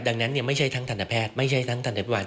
ดังนั้นไม่ใช่ทั้งทันตาแพทย์ไม่ใช่ทั้งทันตาพิบาล